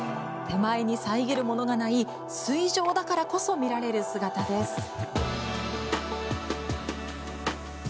手前に遮るものがない水上だからこそ見られる姿です。